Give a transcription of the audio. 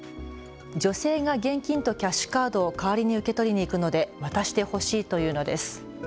女性が現金とキャッシュカードを代わりに受け取りに行くので渡してほしいと言うのです。